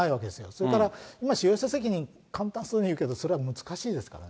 それから今、使用者責任、簡単そうに言うけど、それは難しいですから。